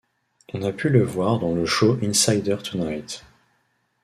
On a pu le voir dans le show Insider Tonight.